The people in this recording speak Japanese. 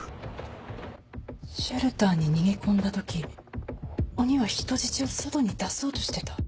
シェルターに逃げ込んだ時鬼は人質を外に出そうとしてた。